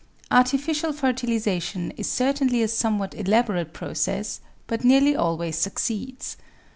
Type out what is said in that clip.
Artificial fertilisation is certainly a somewhat elaborate process, but nearly always succeeds.